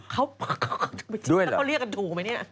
เขาเรียกกันถูกไหมเนี่ย